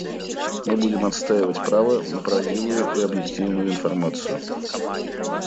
Мы будем отстаивать право на правдивую и объективную информацию.